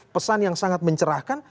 pesan yang sangat mencerahkan